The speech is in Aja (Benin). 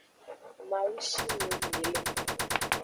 Mawu shime mi le.